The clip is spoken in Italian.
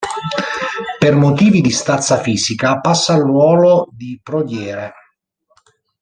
Per motivi di stazza fisica passa al ruolo di prodiere.